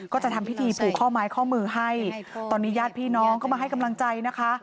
ก็จะทำพิธีผูกข้อไม้ข้อมือให้ตอนนี้ญาติพี่น้องก็มาให้กำลังใจนะคะ